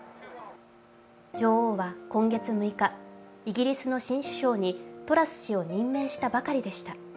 女王は今月６日、イギリスの新首相にトラス氏を任命したばかりでした。